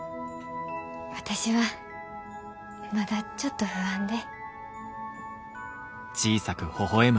私はまだちょっと不安で。